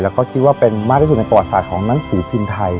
แล้วก็คิดว่าเป็นมากที่สุดในประวัติศาสตร์ของหนังสือพิมพ์ไทย